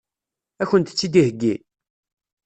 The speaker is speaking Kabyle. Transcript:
Ad kent-tt-id-iheggi?